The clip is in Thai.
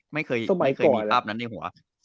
ไม่เคยมีภาพนั้นในหัว